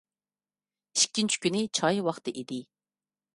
ئىككىنچى كۈنى چاي ۋاقتى ئىدى.